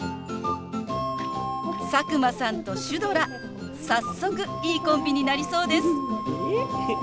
佐久間さんとシュドラ早速いいコンビになりそうです。